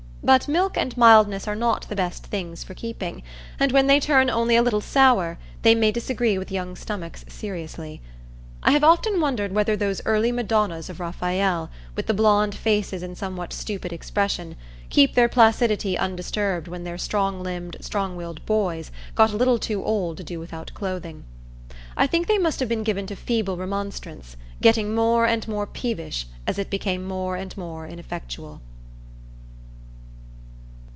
But milk and mildness are not the best things for keeping, and when they turn only a little sour, they may disagree with young stomachs seriously. I have often wondered whether those early Madonnas of Raphael, with the blond faces and somewhat stupid expression, kept their placidity undisturbed when their strong limbed, strong willed boys got a little too old to do without clothing. I think they must have been given to feeble remonstrance, getting more and more peevish as it became more and more ineffectual.